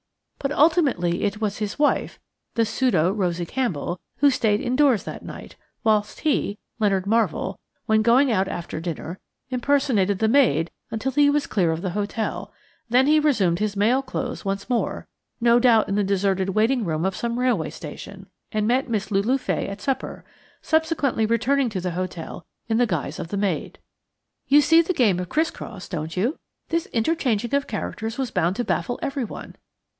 But ultimately it was his wife, the pseudo Rosie Campbell, who stayed indoors that night, whilst he, Leonard Marvell, when going out after dinner, impersonated the maid until he was clear of the hotel; then he reassumed his male clothes once more, no doubt in the deserted waiting room of some railway station, and met Miss Lulu Fay at supper, subsequently returning to the hotel in the guise of the maid. "You see the game of criss cross, don't you? This interchanging of characters was bound to baffle everyone.